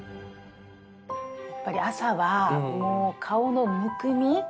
やっぱり朝はもう顔のむくみ？